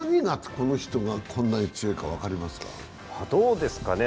何がこの人がこんなに強いか分かりますか？